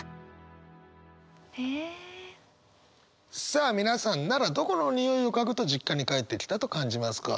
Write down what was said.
さあ皆さんならどこのにおいを嗅ぐと実家に帰ってきたと感じますか？